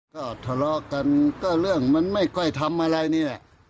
ก็ทะเลาะกันก็เรื่องมันไม่ค่อยทำอะไรนี่แหละ